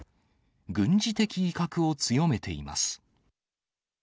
軍事的威嚇を強めています。